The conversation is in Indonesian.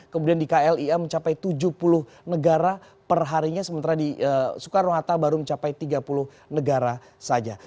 kemudian di klia mencapai tujuh puluh negara perharinya sementara di soekarno hatta baru mencapai tiga puluh negara saja